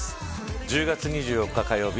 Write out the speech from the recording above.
１０月２４日火曜日